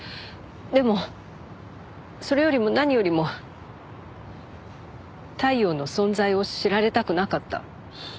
でもそれよりも何よりも太陽の存在を知られたくなかった。